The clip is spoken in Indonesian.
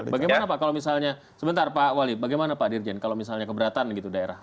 bagaimana pak kalau misalnya sebentar pak wali bagaimana pak dirjen kalau misalnya keberatan gitu daerah